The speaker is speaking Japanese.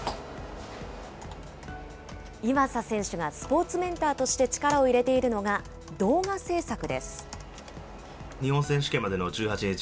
岩佐選手がスポーツメンターとして力を入れているのが、動画制作です。